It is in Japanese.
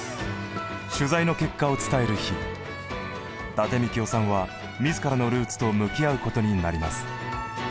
取材の結果を伝える日伊達みきおさんは自らのルーツと向き合う事になります。